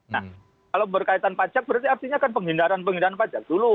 nah kalau berkaitan pajak berarti artinya kan penghindaran penghindaran pajak dulu